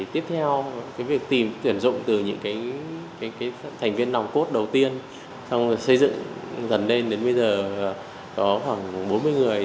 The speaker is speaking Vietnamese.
tiếp theo việc tìm tuyển dụng từ những thành viên nòng cốt đầu tiên trong xây dựng dần lên đến bây giờ có khoảng bốn mươi người